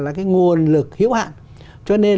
là cái nguồn lực hiếu hạn cho nên